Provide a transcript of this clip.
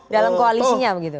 dalam koalisinya begitu